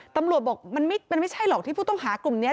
ตำรวจบอกมันไม่ใช่หรอกที่ผู้ต้องหากลุ่มนี้